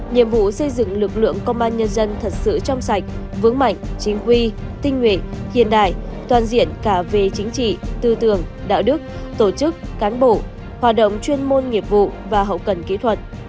nhiệm vụ xây dựng lực lượng công an nhân dân thật sự trong sạch vững mạnh chính quy tinh nguyện hiện đại toàn diện cả về chính trị tư tưởng đạo đức tổ chức cán bộ hoạt động chuyên môn nghiệp vụ và hậu cần kỹ thuật